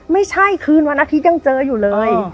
ไม่ใช่คืนวันอาทิตย์ยังเจออยู่เลย